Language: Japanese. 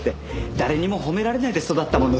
誰にも褒められないで育ったもので。